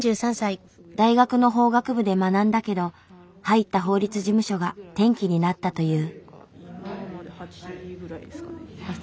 大学の法学部で学んだけど入った法律事務所が転機になったという。